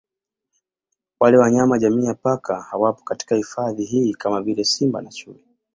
Wale wanyama jamii ya Paka hawapo katika hifadhi hii kama vile Simba na Chui